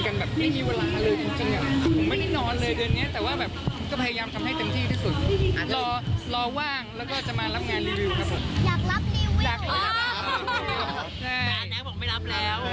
แต่อันนี้ผมไม่รับแล้ว